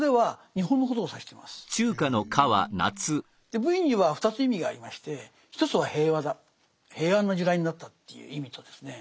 で「無為」には２つ意味がありまして一つは平和だ平安な時代になったという意味とですね